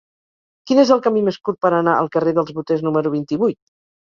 Quin és el camí més curt per anar al carrer dels Boters número vint-i-vuit?